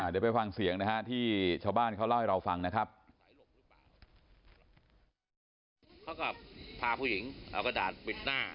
ก็จะฟังเสียงที่ชาวบ้านเขาเล่าให้เราฟังนะครับ